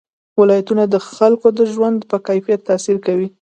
ولایتونه د خلکو د ژوند په کیفیت تاثیر کوي.